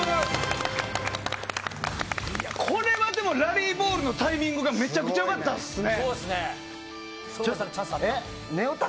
これは、でもラリーボールのタイミングがめちゃくちゃ良かったですね。